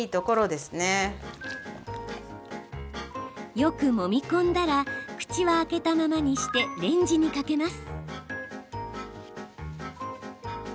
よくもみ込んだら口は開けたままにしてレンジにかけます。